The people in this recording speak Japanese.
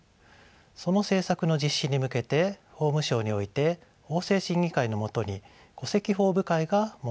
その政策の実施に向けて法務省において法制審議会の下に戸籍法部会が設けられました。